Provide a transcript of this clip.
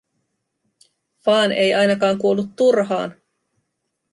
Fan ei ainakaan kuollut turhaan.